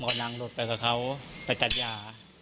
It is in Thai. เลยพ่อนังรถไปกับเขาไปจัดย่า